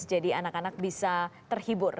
jadi anak anak bisa terhibur